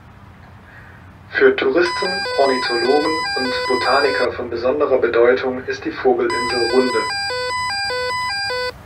Für Touristen, Ornithologen und Botaniker von besonderer Bedeutung ist die Vogelinsel Runde.